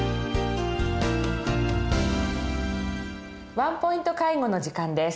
「ワンポイント介護」の時間です。